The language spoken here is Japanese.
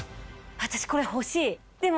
私これ欲しいでも。